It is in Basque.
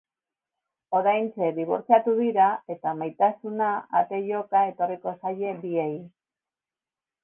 Oraintxe dibortziatu dira eta maitasuna ate joka etorriko zaie biei.